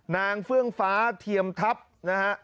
เฟื่องฟ้าเทียมทัพนะฮะ